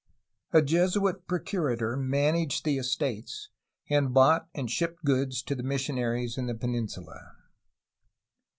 A Jesuit pro curator managed the estates, and bought and shipped goods to the missionaries in the peninsula.